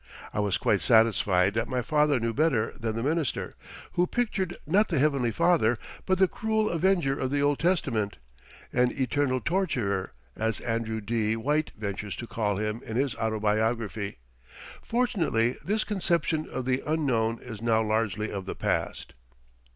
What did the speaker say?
I was quite satisfied that my father knew better than the minister, who pictured not the Heavenly Father, but the cruel avenger of the Old Testament an "Eternal Torturer" as Andrew D. White ventures to call him in his autobiography. Fortunately this conception of the Unknown is now largely of the past.